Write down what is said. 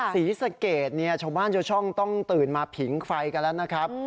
ศรีสะเกดเนี่ยชาวบ้านชาวช่องต้องตื่นมาผิงไฟกันแล้วนะครับ